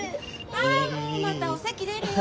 ああもうまたおせき出るよ。